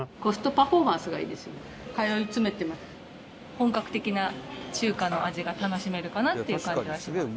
本格的な中華の味が楽しめるかなっていう感じはします。